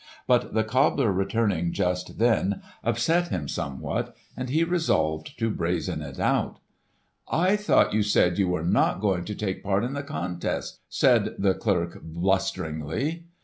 But the cobbler returning just then upset him somewhat, and he resolved to brazen it out. "I thought you said you were not going to take part in the contest," said the clerk blusteringly.